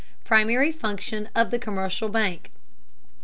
PRIMARY FUNCTION OF THE COMMERCIAL BANK.